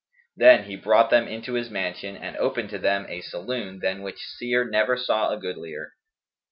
Then he brought them into his mansion and opened to them a saloon than which seer never saw a goodlier.